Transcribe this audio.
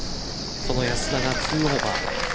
その安田が２オーバー。